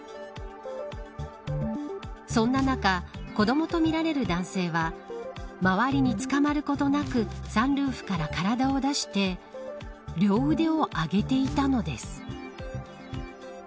そんな中子どもとみられる男性は周りにつかまることなくサンルーフから体を出して両腕を上げていたのです。